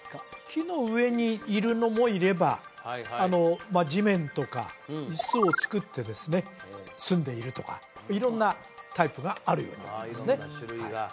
木の上にいるのもいれば地面とかに巣を作ってですねすんでいるとか色んなタイプがあるように思いますね